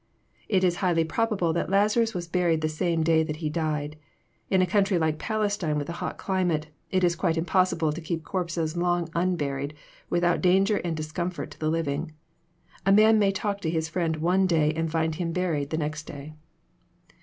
*' It is highly probable that Lazaras was bnried the same day that he died. In a conntry like Falestiue, with a hot climate, lt4s quite impossible to keep corpses long unburied, without danger and discomfort to the living. A man may talk to his friend one day, and And him buried the next day.